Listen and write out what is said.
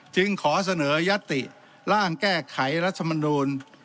จึงขอเสนอยัตติร่างแก้ไขรัฐมนูล